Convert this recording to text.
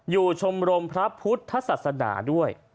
ชมรมพระพุทธศาสนาด้วย